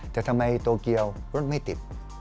แต่ทำไมโตเกียวรถไม่ติด